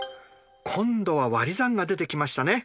今度はわり算が出てきましたね。